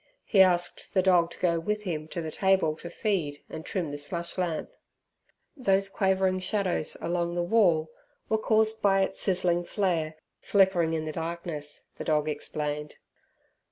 He asked the dog to go with him to the table to feed and trim the slush lamp. Those quavering shadows along the wall were caused by its sizzling flare flickering in the darkness, the dog explained.